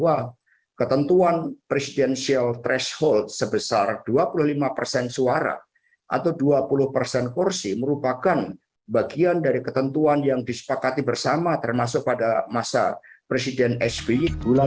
atau dua puluh persen kursi merupakan bagian dari ketentuan yang disepakati bersama termasuk pada masa presiden sby